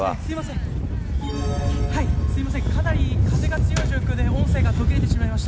すいません、かなり風が強い状況で音声が途切れてしまいました。